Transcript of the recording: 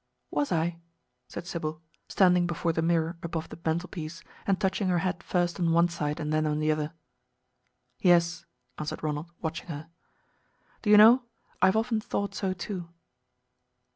"Was I?" said Sybil, standing before the mirror above the mantelpiece, and touching her hat first on one side and then on the other. "Yes," answered Ronald, watching her. "Do you know, I have often thought so too."